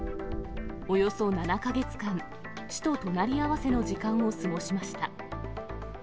およそ７か月間、死と隣り合わせの時間を過ごしました。